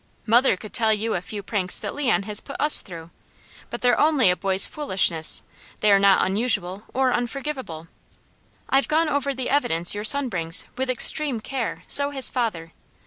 Mother could tell you a few pranks that Leon has put us through; but they're only a boy's foolishness, they are not unusual or unforgivable. I've gone over the evidence your son brings, with extreme care, so has father.